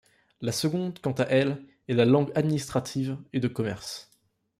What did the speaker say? La seconde, quant à elle, est la langue administrative et de commerce.